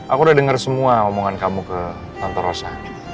aku udah denger semua omongan kamu ke tante rosa